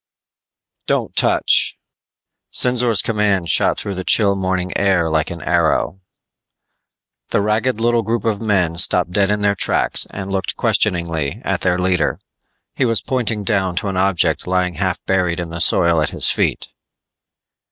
_ "Don't touch!" Sinzor's command shot through the chill morning air like an arrow. The ragged little group of men stopped dead in their tracks and looked questioningly at their leader. He was pointing down to an object lying half buried in the soil at his feet.